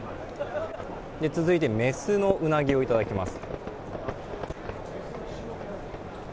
続いて雌のウナギをいただきます。